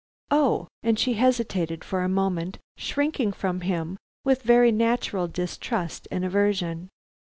"Oh!" and she hesitated for a moment, shrinking from him with very natural distrust and aversion.